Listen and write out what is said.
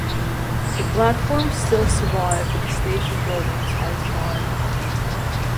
The platforms still survive but the station buildings are gone.